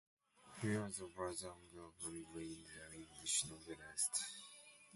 He was the brother of Graham Greene, the English novelist.